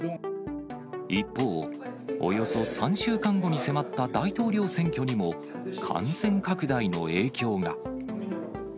一方、およそ３週間後に迫った大統領選挙にも、感染拡大の影響が。